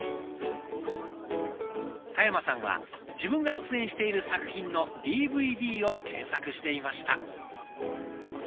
田山さんは自分が出演している作品のＤＶＤを検索していました。